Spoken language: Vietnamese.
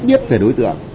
biết về đối tượng